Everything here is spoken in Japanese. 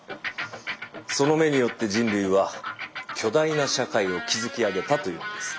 その「目」によって人類は巨大な社会を築き上げたというんです。